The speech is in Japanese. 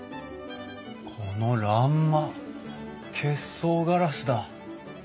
この欄間結霜ガラスだ。